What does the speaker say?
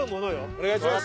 お願いします。